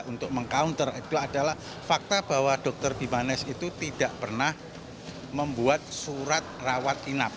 untuk meng counter itu adalah fakta bahwa dr bimanesh itu tidak pernah membuat surat rawat inap